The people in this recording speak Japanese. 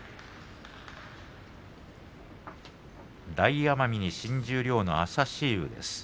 大奄美に新十両の朝志雄です。